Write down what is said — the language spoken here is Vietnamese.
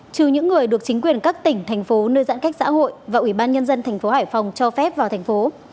trừ những người được chính quyền các tỉnh thành phố nơi giãn cách xã hội và ủy ban nhân dân thành phố hải phòng cho phép vào thành phố